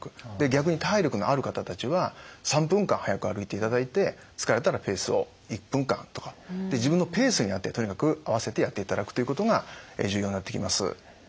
逆に体力のある方たちは３分間速く歩いていただいて疲れたらペースを１分間とか自分のペースにとにかくあわせてやっていただくということが重要になってきます。